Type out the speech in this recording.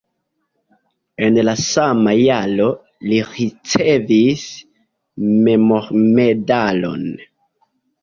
En la sama jaro li ricevis memormedalon.